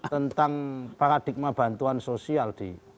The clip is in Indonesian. tentang paradigma bantuan sosial